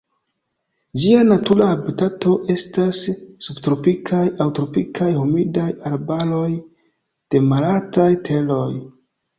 Ĝia natura habitato estas subtropikaj aŭ tropikaj humidaj arbaroj de malaltaj teroj.